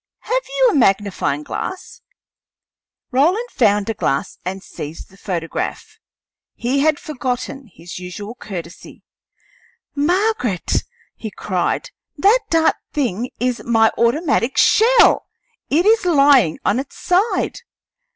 Have you a magnifying glass?" Roland found a glass, and seized the photograph. He had forgotten his usual courtesy. "Margaret," he cried, "that dark thing is my automatic shell! It is lying on its side.